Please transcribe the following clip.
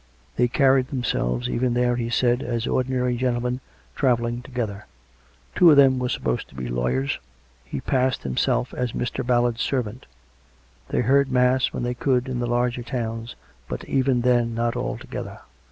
They carried themselves even there, he S'aid, as ordinary gentlemen travelling together; two of them were supposed to be lawyers; he himself passed as Mr. Ballard's servant. They heard mass when they could in the larger towns, but even then not all together.